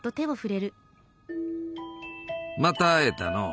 また会えたのう。